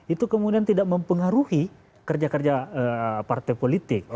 itu kemudian tidak mempengaruhi kerja kerja partai politik